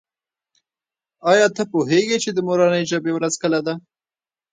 آیا ته پوهېږې چې د مورنۍ ژبې ورځ کله ده؟